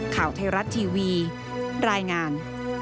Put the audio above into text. ข่าวไทยรัฐทีวีรายงาน